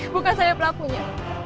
bukan saya pelakunya